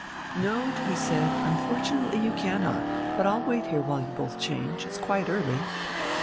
"No," he said, "unfortunately you cannot. But I'll wait here while you both change. It's quite early...."